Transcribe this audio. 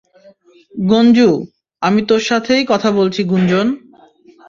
গুঞ্জু, আমি তোর সাথেই কথা বলছি গুঞ্জন!